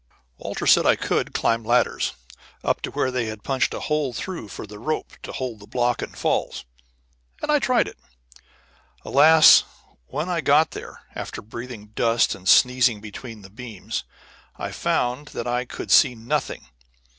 Walter said I could climb ladders up to where they had punched a hole through for the rope to hold the block and falls, and I tried it. Alas! when I got there, after breathing dust and squeezing between beams, I found that I could see nothing.